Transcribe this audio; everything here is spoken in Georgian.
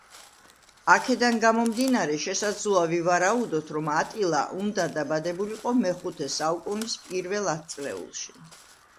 აქედან გამომდინარე, შესაძლოა ვივარაუდოთ, რომ ატილა უნდა დაბადებულიყო მეხუთე საუკუნის პირველ ათწლეულში.